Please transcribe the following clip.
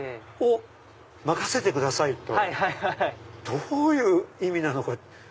どういう意味なのか。